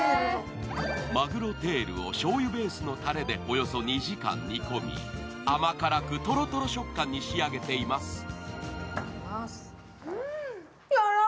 マグロテールをしょうゆベースのたれでおよそ２時間煮込み、甘辛くとろとろ食感に仕上げています。